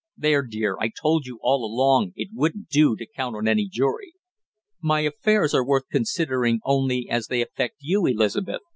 "There, dear, I told you all along it wouldn't do to count on any jury!" "My affairs are worth considering only as they affect you, Elizabeth!"